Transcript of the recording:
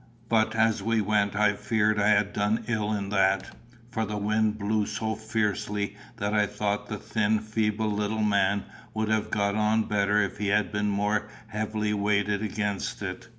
But as we went I feared I had done ill in that, for the wind blew so fiercely that I thought the thin feeble little man would have got on better if he had been more heavily weighted against it.